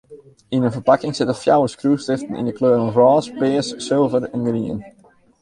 Yn in ferpakking sitte fjouwer skriuwstiften yn 'e kleuren rôs, pears, sulver en grien.